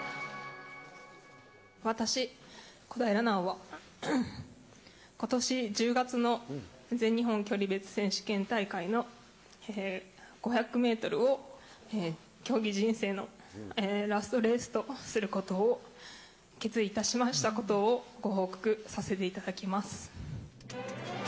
私、小平奈緒はことし１０月の全日本距離別選手権大会の５００メートルを、競技人生のラストレースとすることを決意いたしましたことをご報告させていただきます。